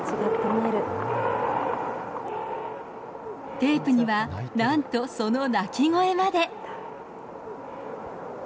テープには、なんとその鳴き声まで。